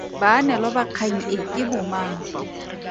Baanelwa ba kgang e ke bomang?